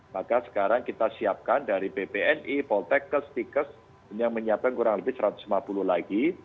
maka sekarang kita siapkan dari bpni polteckes tikes yang menyiapkan kurang lebih satu ratus lima puluh lagi